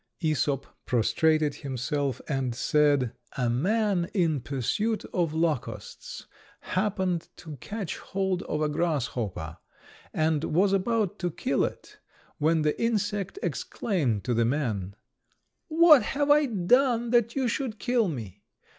Æsop prostrated himself, and said, "A man in pursuit of locusts happened to catch hold of a grasshopper, and was about to kill it, when the insect exclaimed to the man, 'What have I done that you should kill me?